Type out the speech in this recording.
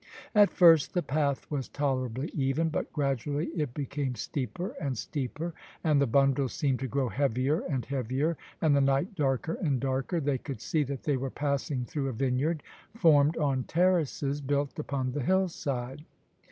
At first the path was tolerably even, but gradually it became steeper and steeper, and the bundles seemed to grow heavier and heavier, and the night darker and darker. They could see that they were passing though a vineyard, formed on terraces, built upon the hillside.